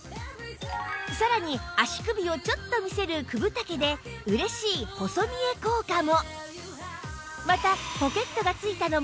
さらに足首をちょっと見せる９分丈で嬉しい細見え効果も